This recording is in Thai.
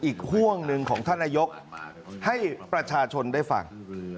อีกห่วงหนึ่งของท่านนายกให้ประชาชนได้ฟัง